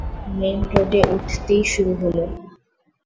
Main রোডে উঠতেই শুরু হল।